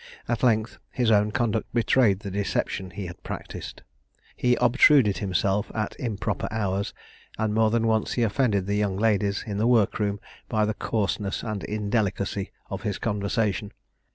At length his own conduct betrayed the deception he had practised. He obtruded himself at improper hours, and more than once offended the young ladies in the work room by the coarseness and indelicacy of his conversation.